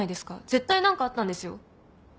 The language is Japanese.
絶対何かあったんですよ。